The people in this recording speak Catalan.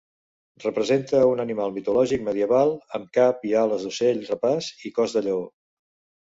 Representa un animal mitològic medieval amb cap i ales d’ocell rapaç i cos de lleó.